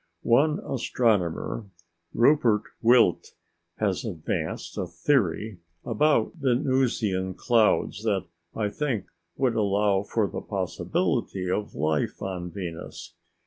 One astronomer, Rupert Wildt, has advanced a theory about the Venusian clouds that, I think, would allow for the possibility of life on Venus.